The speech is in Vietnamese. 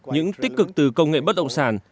những tích cực từ công nghệ bất động sản